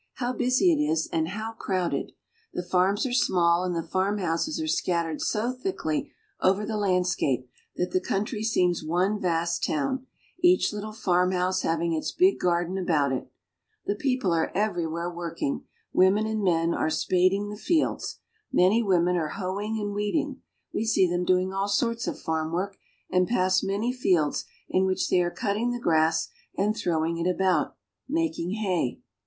How busy it is and how crowd ed ! The farms are small and the farm houses are scattered so thickly over the landscape that the country seems one vast town, each little farmhouse having its big garden about it. The people are everywhere working ; women and men are spading the fields. Many women are hoeing and weeding ; we see them doing all sorts of farm work, and pass many fields in which they are cutting the grass and throwing it about, mak ing hay.